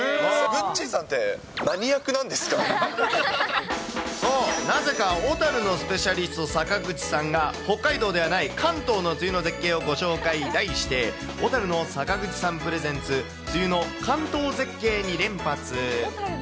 ぐっちーさんって、何役なんそう、なぜか小樽のスペシャリスト、坂口さんが、北海道ではない関東の梅雨の絶景をご紹介、題して、小樽の坂口さんプレゼンツ、梅雨の関東絶景２連発。